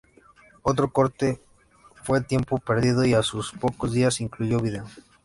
Otro corte fue ""Tiempo perdido"", y a sus pocos días incluyó video.